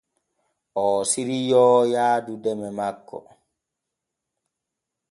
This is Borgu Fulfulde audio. Oo siriyoo yaadu deme makko.